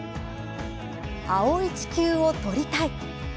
青い地球を撮りたい。